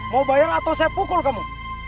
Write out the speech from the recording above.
mau bayar atau saya pukul kamu